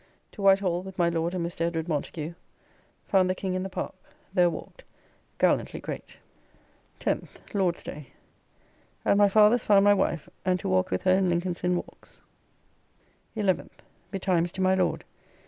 To White Hall with my Lord and Mr. Edwd. Montagu. Found the King in the Park. There walked. Gallantly great. 10th. (Lord's day.) At my father's found my wife and to walk with her in Lincoln's Inn walks. 11th. Betimes to my Lord.